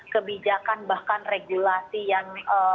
kebijakan bahkan regulasi yang